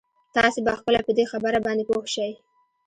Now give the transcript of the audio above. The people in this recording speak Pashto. تاسې به خپله په دې خبره باندې پوه شئ.